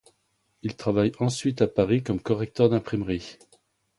Il travaille ensuite à Paris comme correcteur d'imprimerie.